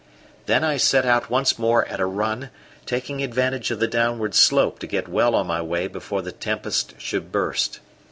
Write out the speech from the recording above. Then I set out once more at a run, taking advantage of the downward slope to get well on my way before the tempest should burst.